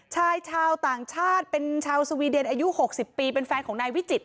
ชายชาวต่างชาติเป็นชาวสวีเดนอายุ๖๐ปีเป็นแฟนของนายวิจิต